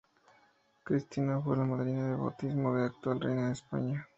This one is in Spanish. Cristina fue la madrina de bautismo de la actual Reina de España.